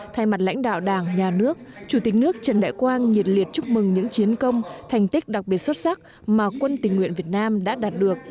thay mặt lãnh đạo đảng nhà nước chủ tịch nước trần đại quang nhiệt liệt chúc mừng những chiến công thành tích đặc biệt xuất sắc mà quân tình nguyện việt nam đã đạt được